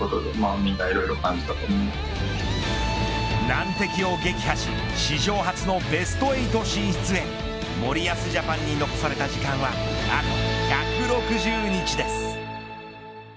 難敵を撃破し史上初のベスト８進出へ森保ジャパンに残された期間はあと１６０日です。